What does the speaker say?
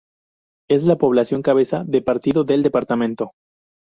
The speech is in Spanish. Es la población cabeza de partido del departamento.